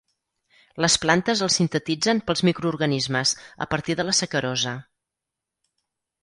Les plantes els sintetitzen pels microorganismes a partir de la sacarosa.